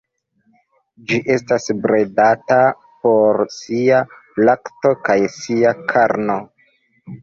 Ĝi estas bredata por sia lakto kaj sia karno.